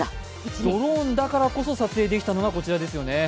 ドローンだからこそ撮影できたのがこちらですてよね。